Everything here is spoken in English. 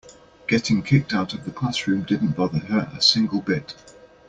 Getting kicked out of the classroom didn't bother her a single bit.